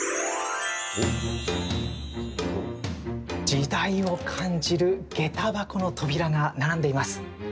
時代を感じるげた箱の扉が並んでいます。